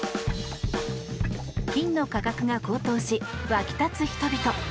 金の価格が高騰し沸き立つ人々。